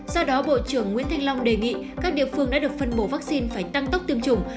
do đó bộ trưởng nguyễn thanh long đề nghị các địa phương đã được phân bổ vaccine phải tăng tốc tiêm chủng